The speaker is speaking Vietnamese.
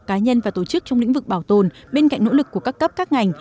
cá nhân và tổ chức trong lĩnh vực bảo tồn bên cạnh nỗ lực của các cấp các ngành